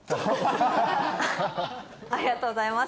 ありがとうございます。